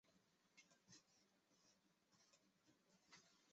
现在则改建成住宅。